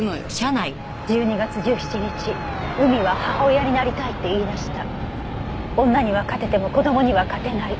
「１２月１７日海は母親になりたいって言い出した」「女には勝てても子供には勝てない」